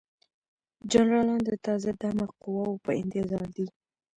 جنرالان د تازه دمه قواوو په انتظار دي.